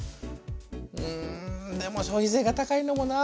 うんでも消費税が高いのもなあ。